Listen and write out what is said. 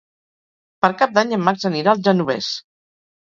Per Cap d'Any en Max anirà al Genovés.